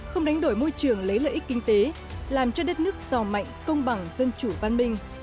tham gia thị trường lấy lợi ích kinh tế làm cho đất nước sò mạnh công bằng dân chủ văn minh